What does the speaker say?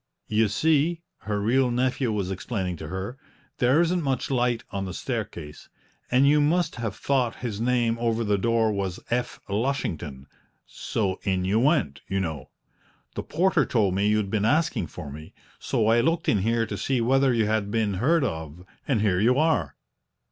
"You see," her real nephew was explaining to her, "there isn't much light on the staircase, and you must have thought his name over the door was 'F. Lushington,' so in you went, you know! The porter told me you'd been asking for me, so I looked in here to see whether you had been heard of, and here you are."